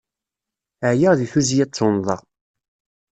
Ɛyiɣ di tuzzya d tunnḍa.